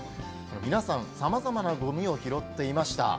皆さん、さまざまなゴミを拾っていました。